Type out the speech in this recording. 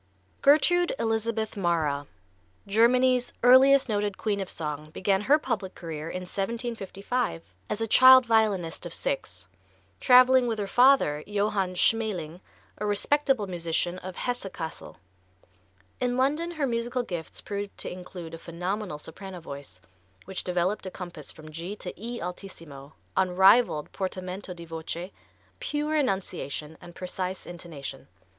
Gertrude Elizabeth Mara, Germany's earliest noted queen of song, began her public career in 1755 as a child violinist of six, traveling with her father, Johann Schmäling, a respectable musician of Hesse Cassel. In London her musical gifts proved to include a phenomenal soprano voice, which developed a compass from G to E altissimo, unrivalled portamento di voce, pure enunciation and precise intonation.